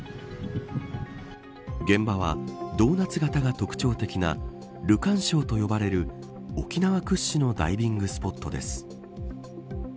現場は、ドーナツ型が特徴的なルカン礁と呼ばれる沖縄屈指のダイビングスポットです。